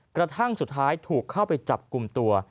กระทั่งสุดท้ายถูกเข้าไปจับกลุ่มตัว